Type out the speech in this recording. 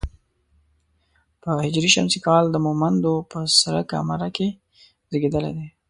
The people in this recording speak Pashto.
په هـ ش کال د مومندو په سره کمره کې زېږېدلی دی.